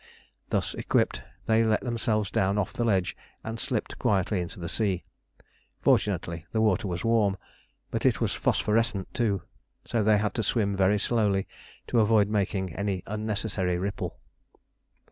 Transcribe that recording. Thus equipped, they let themselves down off the ledge, and slipped quietly into the sea. Fortunately the water was warm; but it was phosphorescent too, so they had to swim very slowly to avoid making any unnecessary ripple.